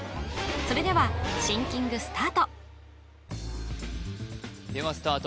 それではシンキングスタートではスタート